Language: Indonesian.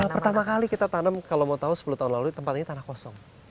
pertama kali kita tanam kalau mau tahu sepuluh tahun lalu tempat ini tanah kosong